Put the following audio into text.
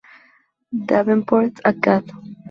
Davenport Acad.